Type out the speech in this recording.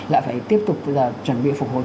lại phải tiếp tục chuẩn bị phục hồi